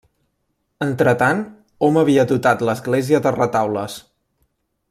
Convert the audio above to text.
Entretant, hom havia dotat l'església de retaules.